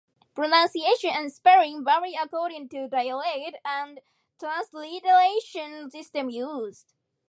Pronunciation and spelling vary according to dialect and transliteration system used.